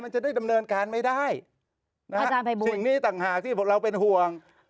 มันจะได้ดำเนินการไม่ได้สิ่งนี้ต่างหากที่เราเป็นห่วง